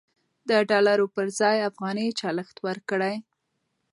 د ډالرو پر ځای افغانۍ چلښت ورکړئ.